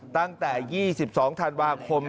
ตั้งแต่๒๒ธันวาคม